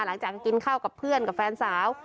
หลังจากกินข้าวกับเพื่อนกับแฟนสาว